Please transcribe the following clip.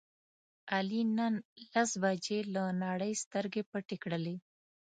علي نن لس بجې له نړۍ سترګې پټې کړلې.